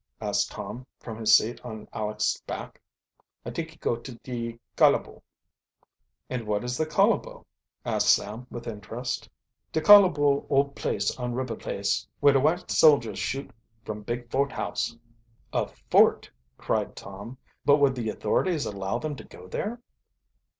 asked Tom, from his seat on Aleck's back. "I t'ink he go to de kolobo." "And what is the kolobo?" asked Sam with interest. "De kolobo old place on ribber place where de white soldiers shoot from big fort house." "A fort!" cried Tom. "But would the authorities allow, them to go there?"